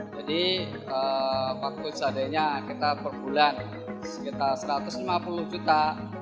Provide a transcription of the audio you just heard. jadi waktu seadanya kita perbulan sekitar satu ratus lima puluh juta